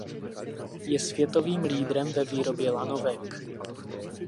Je světovým lídrem ve výrobě lanovek.